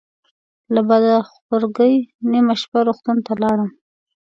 له بده خورګۍ نیمه شپه روغتون ته لاړم.